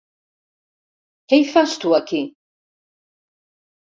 Què hi fas tu, aquí?